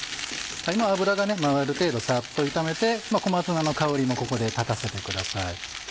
今油が回る程度ざっと炒めて小松菜の香りもここで立たせてください。